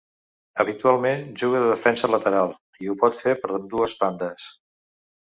Habitualment juga de defensa lateral, i ho pot fer per ambdues bandes.